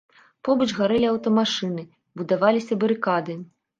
Побач гарэлі аўтамашыны, будаваліся барыкады.